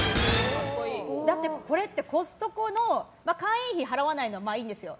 だって、これってコストコの会員費を払わないのはまあいいんですよ。